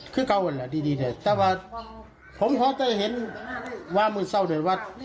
คือเขาอันดีแต่ว่าผมเขาได้เห็นว่ามือเศร้าเดียวว่า